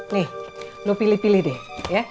nih lo pilih pilih deh ya